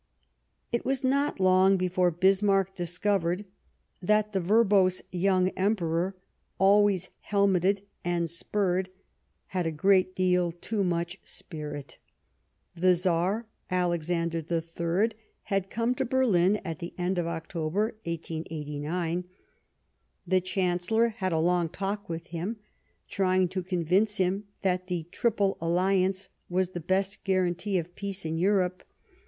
It was not to be long before Bismarck discovered that the verbose young Emperor, always helmeted and spurred, had a great deal too much spirit. The Tsar Alexander III had come to Berlin at the end of October 1889. The Chancellor had a long talk with him, trying to convince him that the Triple Alliance was the best guarantee of peace in Europe.